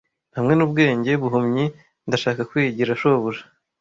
hamwe nubwenge buhumyi ndashaka kwigira shobuja